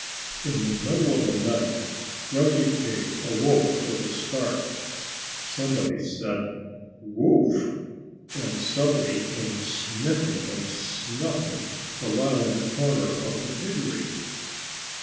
In the middle of the night Grunty Pig awoke with a start. Somebody said "Woof!" And somebody came sniffing and snuffing around the corner of the piggery.